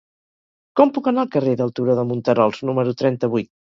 Com puc anar al carrer del Turó de Monterols número trenta-vuit?